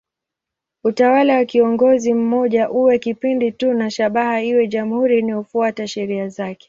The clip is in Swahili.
Utawala wa kiongozi mmoja uwe kipindi tu na shabaha iwe jamhuri inayofuata sheria zake.